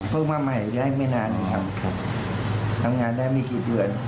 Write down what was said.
มาใหม่ได้ไม่นานครับทำงานได้ไม่กี่เดือน